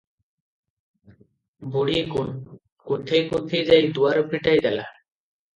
ବୁଢ଼ୀ କୁନ୍ଥେଇ କୁନ୍ଥେଇ ଯାଇ ଦୁଆର ଫିଟାଇ ଦେଲା ।